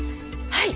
はい！